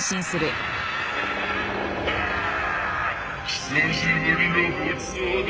久しぶりのごちそうだ！